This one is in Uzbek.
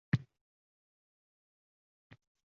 Men onangni ozod qilaman.